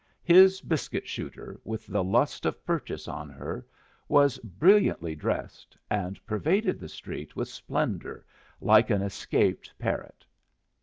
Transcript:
His biscuit shooter, with the lust of purchase on her, was brilliantly dressed, and pervaded the street with splendor, like an escaped parrot.